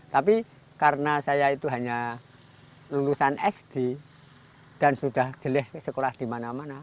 tapi karena saya itu hanya lulusan sd dan sudah jelek sekolah di mana mana